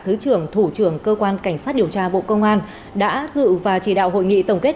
thứ trưởng thủ trưởng cơ quan cảnh sát điều tra bộ công an đã dự và chỉ đạo hội nghị tổng kết